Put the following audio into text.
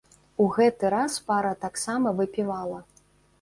У гэты раз пара таксама выпівала.